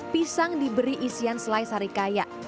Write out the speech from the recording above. pisang diberi isian selai sarikaya